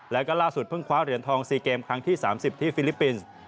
แล้วก็ล่าสุดเพิ่งคว้าเหรียญทอง๔เกมครั้งที่๓๐ที่ฟิลิปปินส์